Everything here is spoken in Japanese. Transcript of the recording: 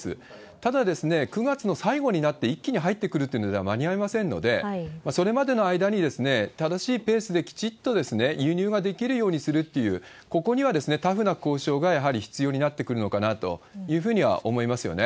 ただ、９月の最後になって一気に入ってくるというのでは間に合いませんので、それまでの間に、正しいペースできちっと輸入ができるようにするっていう、ここにはタフな交渉が、やはり必要になってくるのかなというふうには思いますよね。